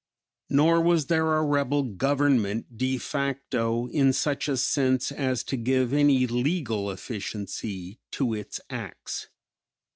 Nor was there a rebel government de facto in such a sense as to give any legal efficiency to its acts....